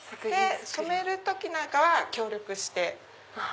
染める時なんかは協力して。